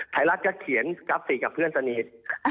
ถ่ายรักกับเขียนกับเพื่อนสนิท